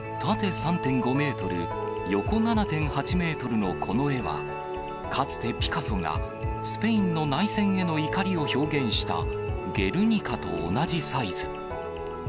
縦３．５メートル、横７．８メートルのこの絵は、かつてピカソがスペインの内戦への怒りを表現したゲルニカと同じサイズ。